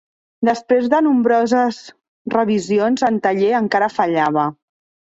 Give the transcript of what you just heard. Després de nombroses revisions en taller, encara fallava.